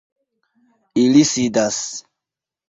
Ili sidas.